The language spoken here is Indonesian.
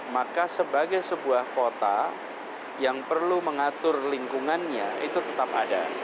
maka sebagai sebuah kota yang perlu mengatur lingkungannya itu tetap ada